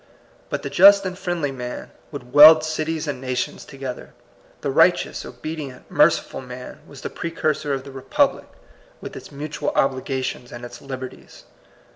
But the just and friendly man would weld cities and nations together. The right eous, obedient, merciful man was the pre cursor of the republic, with its mutual obligations and its liberties.